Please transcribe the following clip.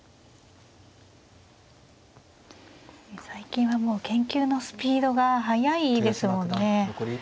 最近はもう研究のスピードが速いですものね。